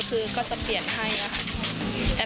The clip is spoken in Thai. คือก็จะเปลี่ยนให้นะคะ